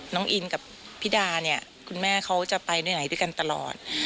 น้องอินกับพี่ดาเนี่ยคุณแม่เขาจะไปไหนด้วยกันตลอด